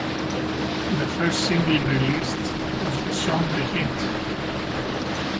The first single released was the song "The Hit".